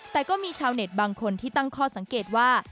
แต่ก็มีชาวเน็ตบางคนที่ตั้งข้อสังเกตว่า